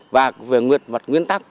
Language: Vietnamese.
và về nguyên tắc